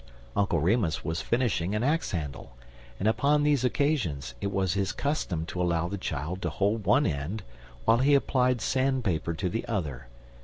Uncle Remus was finishing an axe handle, and upon these occasions it was his custom to allow the child to hold one end while he applied sand paper to the other.